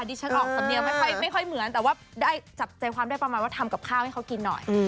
ฉันออกสำเนียงไม่ค่อยเหมือนแต่ว่าได้จับใจความได้ประมาณว่าทำกับข้าวให้เขากินหน่อย